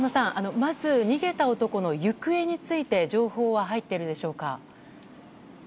まず、逃げた男の行方について情報は入っているでしょうか？